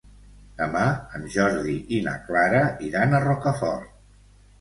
Demà en Jordi i na Clara iran a Rocafort.